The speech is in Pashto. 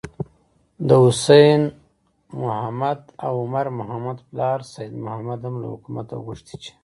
د حسين محمد او عمر محمد پلار سيد محمد هم له حکومته غوښتي چې: